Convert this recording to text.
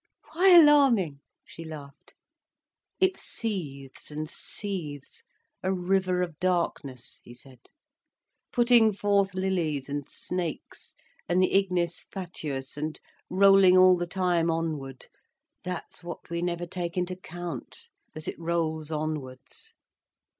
"Why alarming?" she laughed. "It seethes and seethes, a river of darkness," he said, "putting forth lilies and snakes, and the ignis fatuus, and rolling all the time onward. That's what we never take into count—that it rolls onwards."